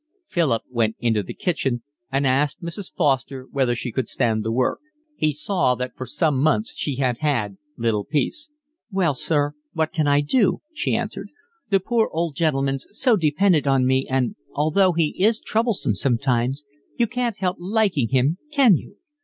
Philip went into the kitchen and asked Mrs. Foster whether she could stand the work. He saw that for some months she had had little peace. "Well, sir, what can I do?" she answered. "The poor old gentleman's so dependent on me, and, although he is troublesome sometimes, you can't help liking him, can you?